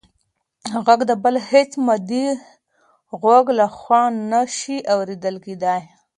غږ د بل هېڅ مادي غوږ لخوا نه شي اورېدل کېدی.